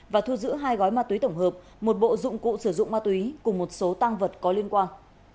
và thu giữ hai gói ma túy tổng hợp một bộ dụng cụ sử dụng ma túy cùng một số tăng vật có liên quan